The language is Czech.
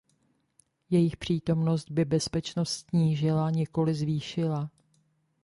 Jejich přítomnost by bezpečnost snížila, nikoli zvýšila.